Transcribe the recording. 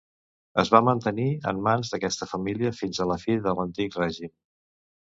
Es va mantenir en mans d'aquesta família fins a la fi de l'Antic Règim.